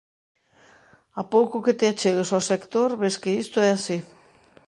A pouco que te achegues ao sector ves que isto é así.